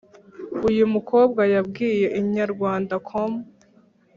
uyu mukobwa yabwiye inyarwandacom